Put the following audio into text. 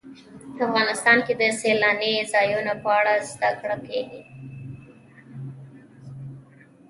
افغانستان کې د سیلانی ځایونه په اړه زده کړه کېږي.